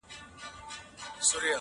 د اختریزو رخصتیو په مناسبت مي